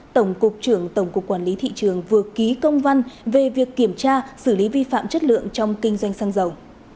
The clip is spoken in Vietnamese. tổng cục trưởng tổng cục quản lý thị trường vừa ký công văn về việc kiểm tra xử lý vi phạm chất lượng trong kinh doanh xăng dầu